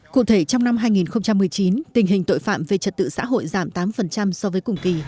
cụ thể trong năm hai nghìn một mươi chín tình hình tội phạm về trật tự xã hội giảm tám so với cùng kỳ